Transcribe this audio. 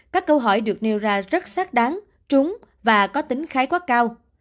các câu hỏi được nêu ra rất xác đáng trúng và có tính khái quát cao